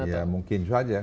ya mungkin saja